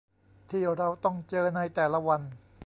ที่เราต้องเจอในแต่ละวัน